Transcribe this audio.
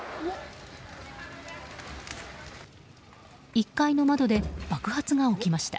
１階の窓で爆発が起きました。